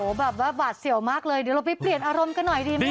แบบว่าบาดเสี่ยวมากเลยเดี๋ยวเราไปเปลี่ยนอารมณ์กันหน่อยดีไหมค